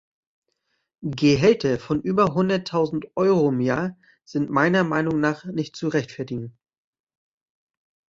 Gehälter von über hunderttausend Euro im Jahr sind meiner Meinung nach nicht zu rechtfertigen.